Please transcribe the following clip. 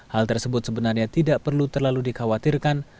hal tersebut sebenarnya tidak perlu terlalu dikhawatirkan